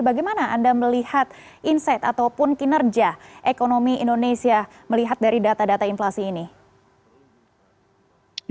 bagaimana anda melihat insight ataupun kinerja ekonomi indonesia melihat dari data data inflasi ini